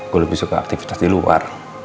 gue lebih suka aktivitas di luar